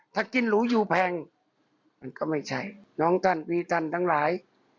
ถ้ากินหรูอยู่แพงมันก็ไม่ใช่น้องตันวีตันทั้งหลาย